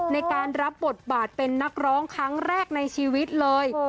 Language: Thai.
ในการรับบทบาทเป็นนักร้องครั้งแรกในชีวิตเลย